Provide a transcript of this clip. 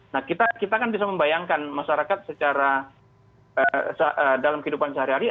nah kita kan bisa membayangkan masyarakat secara dalam kehidupan sehari hari